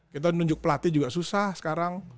kita nunjuk pelatih juga susah sekarang